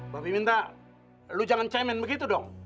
baabe minta lo jangan cemen begitu dong